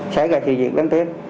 trái gài thị diện